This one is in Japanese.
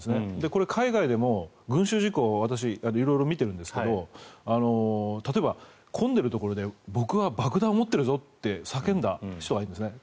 これ、海外でも群衆事故私も色々見ているんですが例えば、混んでいるところで僕は爆弾を持っているぞと叫んだ人がいるんですね。